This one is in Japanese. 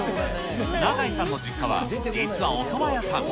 永井さんの実家は、実はおそば屋さん。